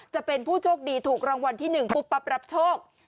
จะเป็นผู้โชคดีถูกรางวัลที่๑ปุ๊บปั๊บรับโชค